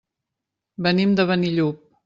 Venim de Benillup.